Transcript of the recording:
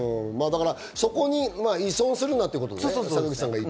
そこに依存するなってことだね。